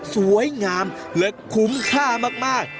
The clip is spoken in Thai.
สวยงามและคุ้มค่ามาก